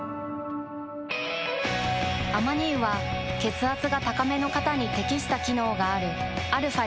アマニ油は血圧が高めの方に適した機能があるαー